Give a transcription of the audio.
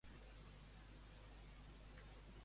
Com van assassinar Joana I?